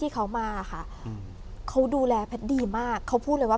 เขาดูแลแพทย์ดีมากเขาพูดเลยว่า